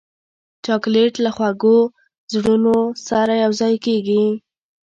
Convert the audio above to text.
چاکلېټ له خوږو زړونو سره یوځای کېږي.